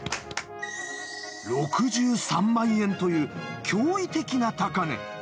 ６３万円という驚異的な高値。